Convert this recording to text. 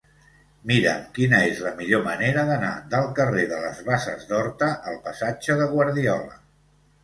Mira'm quina és la millor manera d'anar del carrer de les Basses d'Horta al passatge de Guardiola.